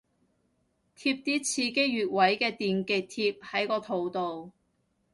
貼啲刺激穴位嘅電極貼喺個肚度